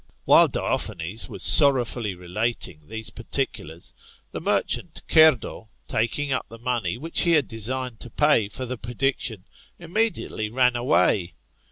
While Diophanes was sorrow fully relating these particulars, the merchant Cerdo, taking up the money which he had designed to pay for the prediction, immediately ran away.